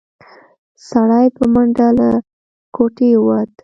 سړی په منډه له کوټې ووت.